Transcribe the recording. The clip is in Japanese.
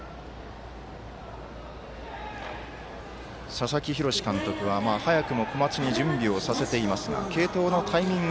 佐々木洋監督は、早くも小松に準備をささていますが継投のタイミング